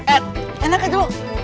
eh enak aja lu